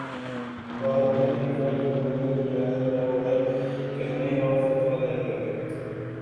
بعد میں خلیفہ کے حکم کے بغیر وعظ کہنے اور فتویٰ دینے لگے